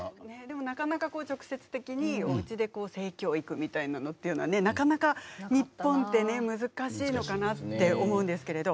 なかなか直接的におうちで性教育みたいなのっていうのはなかなか日本ってね難しいのかなって思うんですけれど。